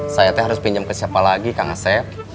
saya teh harus pinjam ke siapa lagi kang asep